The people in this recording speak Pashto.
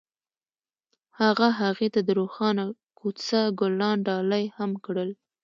هغه هغې ته د روښانه کوڅه ګلان ډالۍ هم کړل.